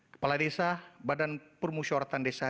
kepala desa badan permusyawaratan desa